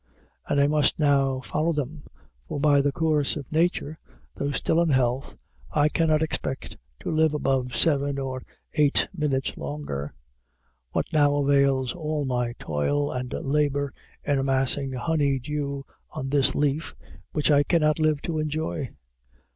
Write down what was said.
And I must soon follow them; for, by the course of nature, though still in health, I cannot expect to live above seven or eight minutes longer. What now avails all my toil and labor in amassing honey dew on this leaf, which I cannot live to enjoy!